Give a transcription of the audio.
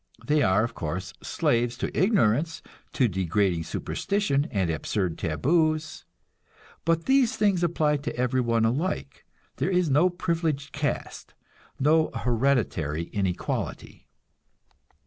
They are, of course, slaves to ignorance, to degrading superstition and absurd taboos; but these things apply to everyone alike, there is no privileged caste, no hereditary inequality.